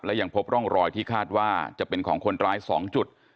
และยังพบร่องรอยที่คาดว่าจะเป็นของคนร้าย๒จุด